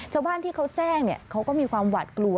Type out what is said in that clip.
ชาวบ้านที่เขาแจ้งเขาก็มีความหวาดกลัว